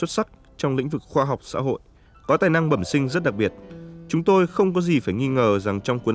tạp chí dành cho các em nhỏ có tên tuổi vàng do ông dân an nam